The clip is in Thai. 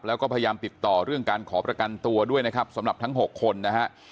แล้วก็พยายามติดต่อเรื่องการขอประกันตัวด้วยนะครับสำหรับทั้ง๖คนนะฮะ